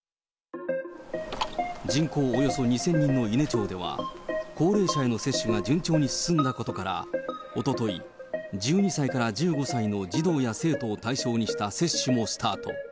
人口およそ２０００人の伊根町では、高齢者への接種が順調に進んだことから、おととい、１２歳から１５歳の児童や生徒を対象にした接種もスタート。